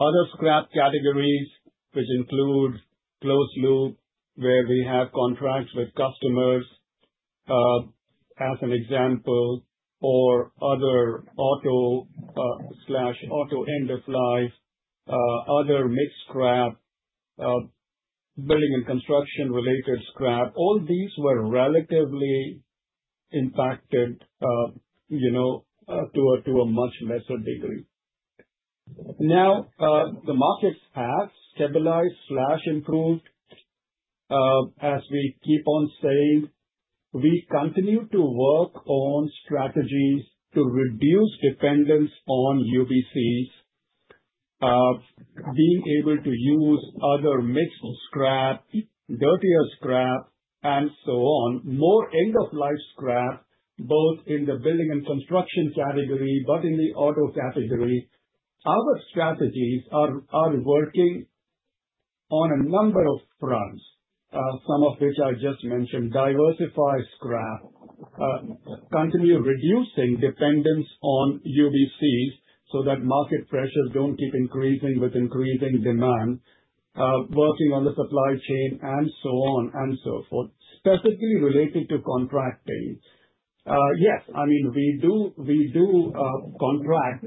Speaker 4: Other scrap categories, which include closed-loop, where we have contracts with customers, as an example, or other auto slash auto end-of-life, other mixed scrap, building and construction related scrap, all these were relatively impacted, you know, to a much lesser degree. Now, the markets have stabilized slash improved. As we keep on saying, we continue to work on strategies to reduce dependence on UBCs, being able to use other mixed scrap, dirtier scrap, and so on. More end-of-life scrap, both in the building and construction category, but in the auto category. Our strategies are working on a number of fronts, some of which I just mentioned, diversify scrap, continue reducing dependence on UBCs so that market pressures don't keep increasing with increasing demand, working on the supply chain and so on and so forth. Specifically related to contracting, yes, I mean, we do contract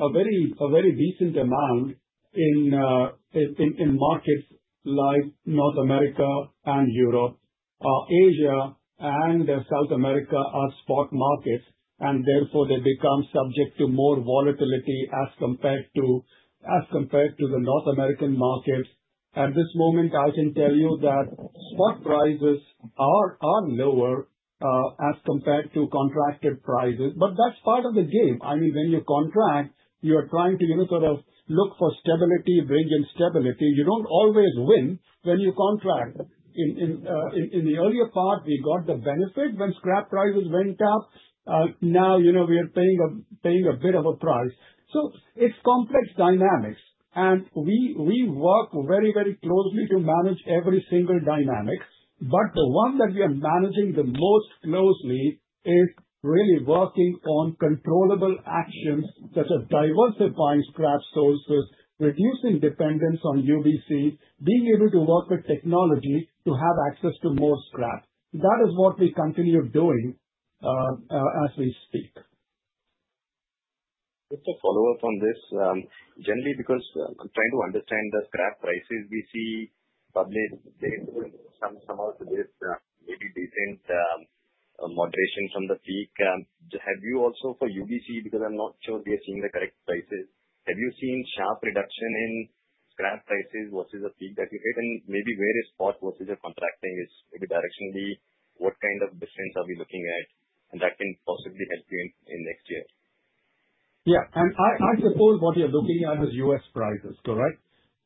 Speaker 4: a very, a very decent amount in markets like North America and Europe. Asia and South America are spot markets, and therefore they become subject to more volatility as compared to, as compared to the North American markets. At this moment, I can tell you that spot prices are lower as compared to contracted prices, but that's part of the game. I mean, when you contract, you are trying to, you know, sort of look for stability, bring in stability. You don't always win when you contract. In the earlier part, we got the benefit when scrap prices went up. Now, you know, we are paying a bit of a price. It's complex dynamics, and we work very, very closely to manage every single dynamic. The one that we are managing the most closely is really working on controllable actions, such as diversifying scrap sources, reducing dependence on UBC, being able to work with technology to have access to more scrap. That is what we continue doing as we speak....
Speaker 8: Just a follow-up on this. Generally, because I'm trying to understand the scrap prices we see published, there is some of this, maybe decent, moderation from the peak. Have you also for UBC, because I'm not sure we are seeing the correct prices? Have you seen sharp reduction in scrap prices versus the peak that you had, and maybe where is spot versus the contracting is, maybe directionally, what kind of difference are we looking at and that can possibly help you in next year?
Speaker 4: Yeah. I suppose what you're looking at is U.S. prices, correct?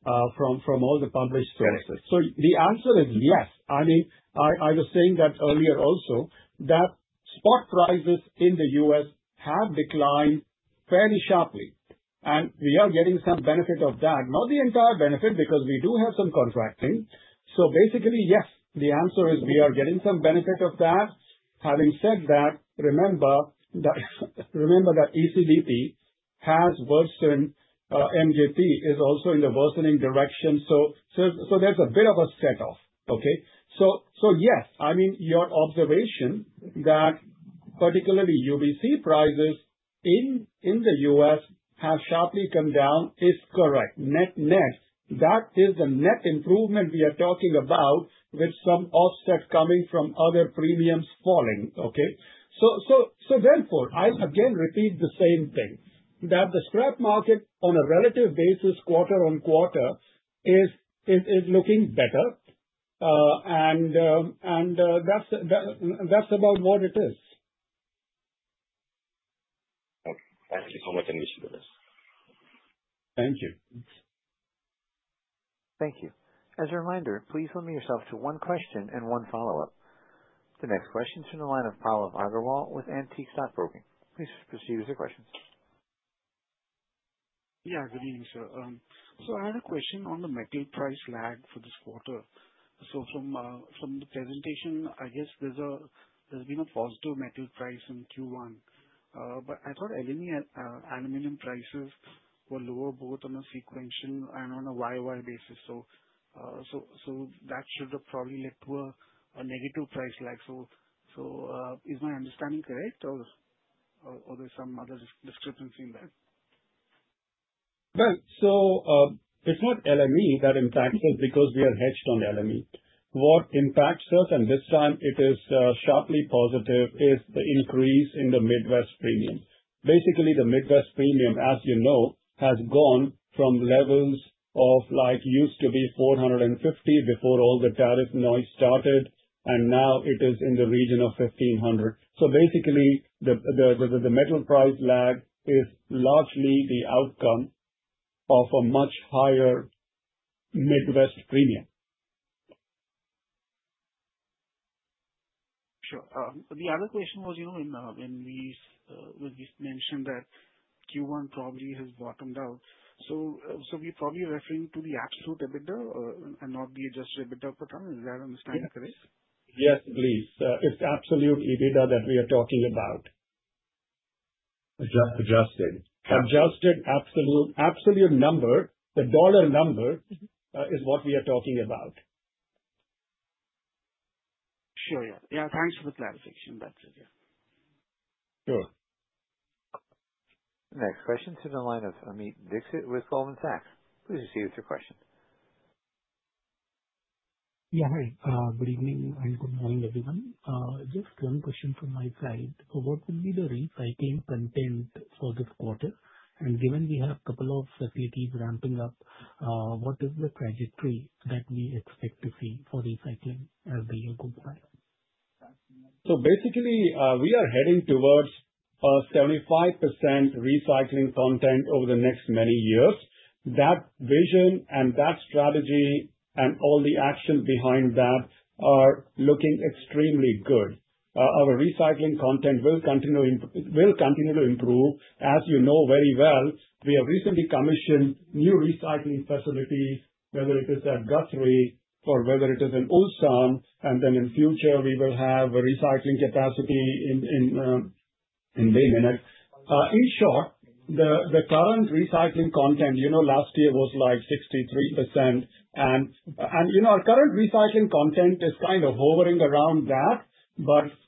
Speaker 4: from all the published sources.
Speaker 8: Yes.
Speaker 4: The answer is yes. I mean, I was saying that earlier also, that spot prices in the U.S. have declined fairly sharply, we are getting some benefit of that, not the entire benefit, because we do have some contracting. Basically, yes, the answer is we are getting some benefit of that. Having said that, remember that ECBP has worsened, MJP is also in the worsening direction. There's a bit of a setoff. Okay? Yes, I mean, your observation that particularly UBC prices in the U.S. have sharply come down is correct. Net net, that is the net improvement we are talking about, with some offset coming from other premiums falling. Okay? Therefore, I again repeat the same thing, that the scrap market on a relative basis, quarter-on-quarter, is looking better. That's about what it is.
Speaker 8: Okay. Thank you so much, Anish, for this.
Speaker 4: Thank you.
Speaker 1: Thank you. As a reminder, please limit yourself to one question and one follow-up. The next question is from the line of Pallav Agarwal with Antique Stock Broking. Please proceed with your questions.
Speaker 9: Good evening, sir. I had a question on the metal price lag for this quarter. From the presentation, I guess there's been a positive metal price in Q1. I thought LME aluminum prices were lower, both on a sequential and on a YY basis. That should have probably led to a negative price lag. Is my understanding correct, or there's some other discrepancy in that?
Speaker 4: It's not LME that impacts us because we are hedged on LME. What impacts us, and this time it is sharply positive, is the increase in the Midwest premium. Basically, the Midwest premium, as you know, has gone from levels of like used to be $450 before all the tariff noise started, and now it is in the region of $1,500. Basically, the metal price lag is largely the outcome of a much higher Midwest premium.
Speaker 9: Sure. The other question was, you know, in these, where you mentioned that Q1 probably has bottomed out. We're probably referring to the absolute EBITDA, and not the Adjusted EBITDA for time. Is that understanding correct?
Speaker 4: Yes, please. It's absolute EBITDA that we are talking about.
Speaker 9: Adjust, adjusted.
Speaker 4: Adjusted, absolute number. The dollar number is what we are talking about.
Speaker 9: Sure. Yeah. Yeah, thanks for the clarification. That's it. Yeah.
Speaker 4: Sure.
Speaker 1: Next question is in the line of Amit Dixit with Goldman Sachs. Please proceed with your question.
Speaker 10: Yeah, hi. Good evening and good morning, everyone. Just one question from my side: What will be the recycling content for this quarter? Given we have a couple of facilities ramping up, what is the trajectory that we expect to see for recycling as we look inside?
Speaker 4: Basically, we are heading towards 75% recycling content over the next many years. That vision and that strategy and all the action behind that are looking extremely good. Our recycling content will continue to improve. As you know very well, we have recently commissioned new recycling facilities, whether it is at Guthrie or whether it is in Ulsan, and then in future we will have a recycling capacity in Bay Minette. In short, the current recycling content, you know, last year was like 63%. You know, our current recycling content is kind of hovering around that.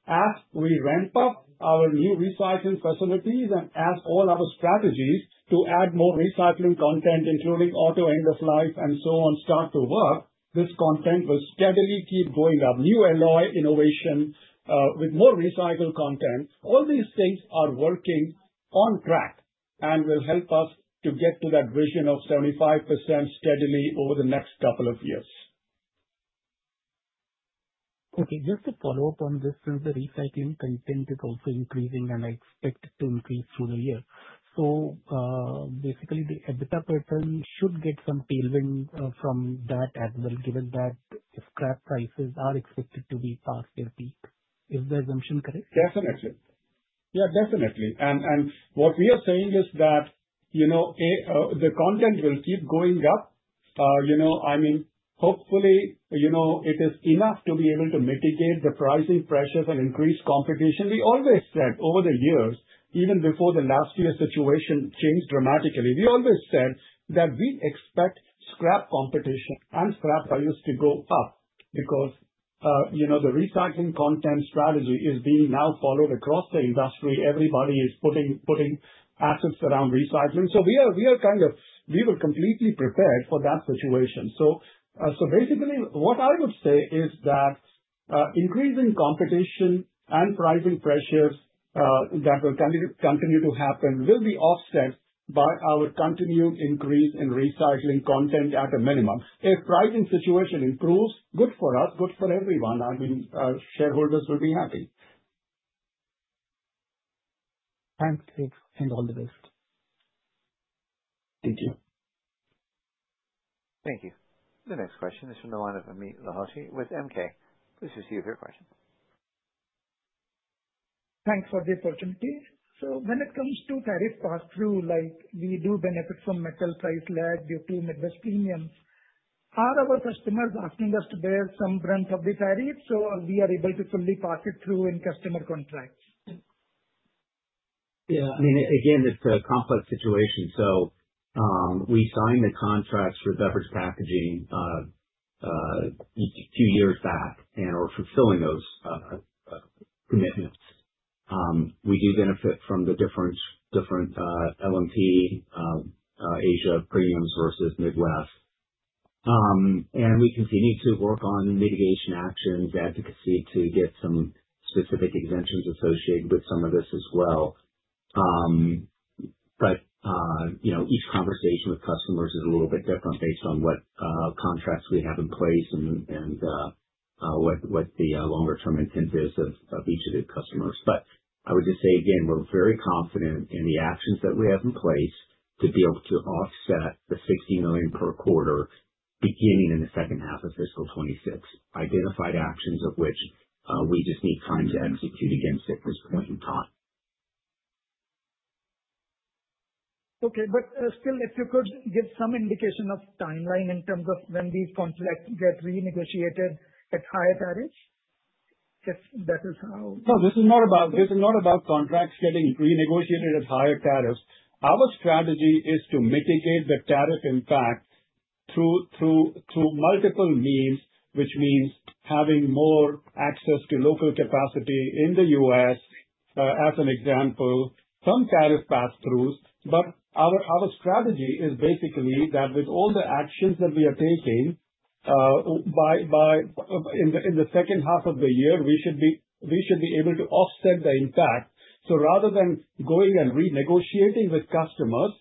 Speaker 4: As we ramp up our new recycling facilities and as all our strategies to add more recycling content, including auto end-of-life and so on, start to work, this content will steadily keep going up. New alloy innovation, with more recycled content, all these things are working on track and will help us to get to that vision of 75% steadily over the next couple of years.
Speaker 10: Okay, just to follow up on this, since the recycling content is also increasing, and I expect it to increase through the year. Basically, the EBITDA pattern should get some tailwind, from that as well, given that the scrap prices are expected to be past their peak. Is the assumption correct?
Speaker 4: Definitely. Yeah, definitely. What we are saying is that, you know, A, the content will keep going up. You know, I mean, hopefully, you know, it is enough to be able to mitigate the pricing pressures and increase competition. We always said over the years, even before the last year's situation changed dramatically, we always said that we expect scrap competition and scrap prices to go up because, you know, the recycling content strategy is being now followed across the industry. Everybody is putting assets around recycling. We were completely prepared for that situation. Basically, what I would say is that, increasing competition and pricing pressures, that will continue to happen, will be offset by our continued increase in recycling content at a minimum. If pricing situation improves, good for us, good for everyone. I mean, our shareholders will be happy.
Speaker 10: Thanks, Vik, and all the best. Thank you.
Speaker 1: Thank you. The next question is from the line of Amit Lahoti with MK. Please proceed with your question.
Speaker 11: Thanks for the opportunity. When it comes to tariff pass-through, like we do benefit from metal price lag due to Midwest premiums, are our customers asking us to bear some brunt of the tariff? Are we able to fully pass it through in customer contracts?
Speaker 3: Yeah, I mean, again, it's a complex situation. We signed the contracts for beverage packaging two years back and are fulfilling those commitments. We do benefit from the different LME Asia premiums versus Midwest. We continue to work on mitigation actions, advocacy, to get some specific exemptions associated with some of this as well. You know, each conversation with customers is a little bit different based on what contracts we have in place and what the longer term intent is of each of the customers. I would just say, again, we're very confident in the actions that we have in place to be able to offset the $60 million per quarter, beginning in the second half of fiscal 2026. Identified actions of which, we just need time to execute against at this point in time.
Speaker 11: Okay. Still, if you could give some indication of timeline in terms of when these contracts get renegotiated at higher tariffs. That is how-
Speaker 4: No, this is not about contracts getting renegotiated at higher tariffs. Our strategy is to mitigate the tariff impact through multiple means, which means having more access to local capacity in the U.S., as an example, some tariff pass-throughs. Our strategy is basically that with all the actions that we are taking. In the second half of the year, we should be able to offset the impact. Rather than going and renegotiating with customers,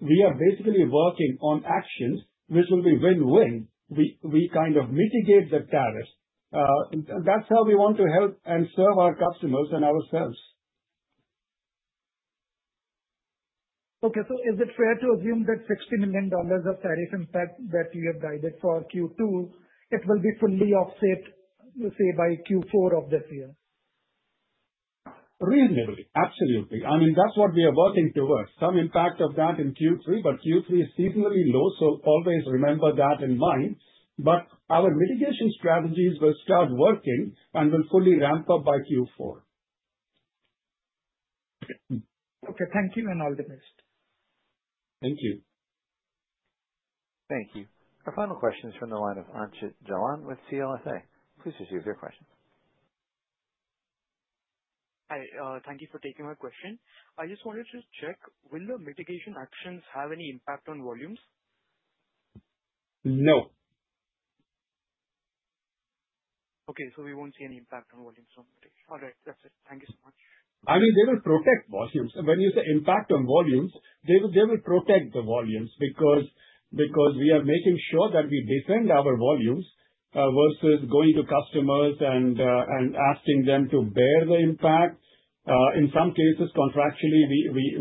Speaker 4: we are basically working on actions which will be win-win. We kind of mitigate the tariffs. That's how we want to help and serve our customers and ourselves.
Speaker 11: Is it fair to assume that $16 million of tariff impact that you have guided for Q2, it will be fully offset, let's say, by Q4 of this year?
Speaker 4: Reasonably. Absolutely. I mean, that's what we are working towards. Some impact of that in Q3, but Q3 is seasonally low, so always remember that in mind. Our mitigation strategies will start working and will fully ramp up by Q4.
Speaker 11: Okay. Thank you, and all the best.
Speaker 4: Thank you.
Speaker 1: Thank you. Our final question is from the line of Ankit Jalan with CLSA. Please proceed with your question.
Speaker 12: Hi, thank you for taking my question. I just wanted to check, will the mitigation actions have any impact on volumes?
Speaker 4: No.
Speaker 12: Okay, we won't see any impact on volumes on mitigation. All right, that's it. Thank you so much.
Speaker 4: I mean, they will protect volumes. When you say impact on volumes, they will protect the volumes, because we are making sure that we defend our volumes versus going to customers and asking them to bear the impact. In some cases, contractually,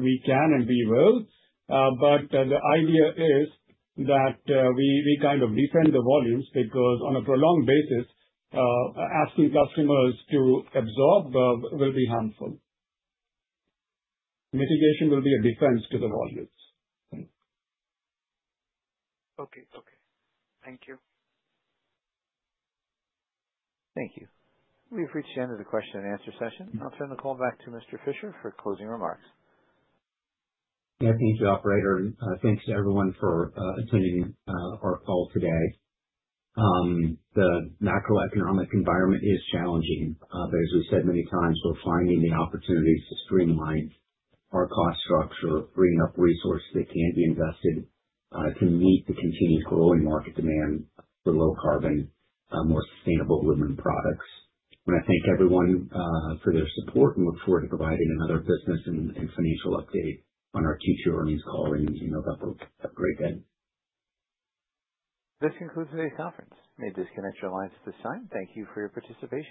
Speaker 4: we can and we will. The idea is that we kind of defend the volumes, because on a prolonged basis, asking customers to absorb will be harmful. Mitigation will be a defense to the volumes.
Speaker 12: Okay. Okay. Thank you.
Speaker 1: Thank you. We've reached the end of the question and answer session. I'll turn the call back to Mr. Fisher for closing remarks.
Speaker 3: Thank you, operator. Thanks to everyone for attending our call today. The macroeconomic environment is challenging, but as we've said many times, we're finding the opportunities to streamline our cost structure, freeing up resources that can be invested to meet the continued growing market demand for low carbon, more sustainable aluminum products. I want to thank everyone for their support. We look forward to providing another business and financial update on our Q2 earnings call. In the meantime, have a great day.
Speaker 1: This concludes today's conference. You may disconnect your lines at this time. Thank you for your participation.